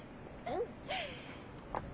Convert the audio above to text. うん！